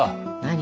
何？